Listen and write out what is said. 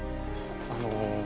あの。